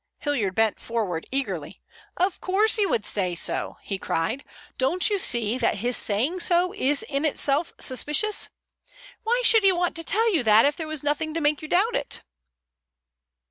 Hilliard bent forward eagerly. "Of course he would say so," he cried. "Don't you see that his saying so is in itself suspicious? Why should he want to tell you that if there was nothing to make you doubt it?"